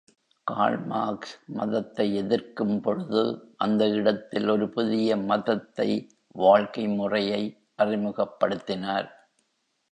Curl Marx மதத்தை எதிர்க்கும் பொழுது, அந்த இடத்தில் ஒரு புதிய மதத்தை வாழ்க்கை முறையை அறிமுகப்படுத்தினார்.